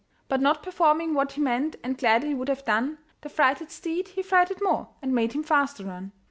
But not performing what he meant, And gladly would have done, The frighted steed he frighted more, And made him faster run.